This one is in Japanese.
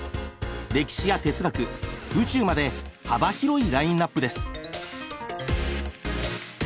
歴史や哲学宇宙まで幅広いラインナップです。